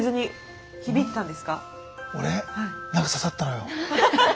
何か刺さったのよ。